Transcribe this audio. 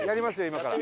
今から。